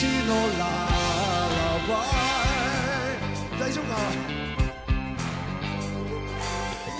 大丈夫か？